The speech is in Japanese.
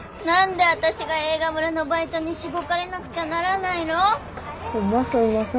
何で私が映画村のバイトにしごかれなくちゃならないの！？